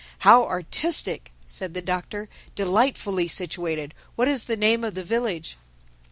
"How artistic!" said the Doctor—"Delightfully situated. What is the name of the village?"